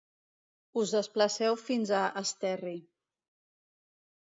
Us desplaceu fins a Esterri.